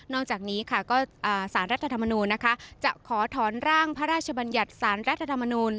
จากนี้ค่ะก็สารรัฐธรรมนูญนะคะจะขอถอนร่างพระราชบัญญัติศาลรัฐธรรมนูล